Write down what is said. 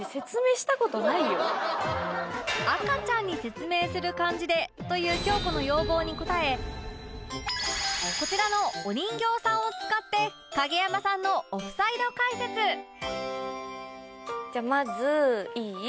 「赤ちゃんに説明する感じで」という京子の要望に応えこちらのお人形さんを使って影山さんのオフサイド解説じゃあまずいい？